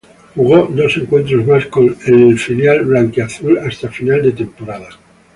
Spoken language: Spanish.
Jugó dos encuentros más con el filial blanquiazul hasta final de temporada.